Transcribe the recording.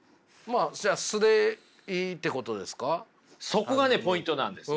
そこがねポイントなんですよ。